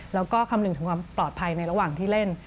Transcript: แล้วก็คำนึงถึงความปลอดภัยในระหว่างที่เล่น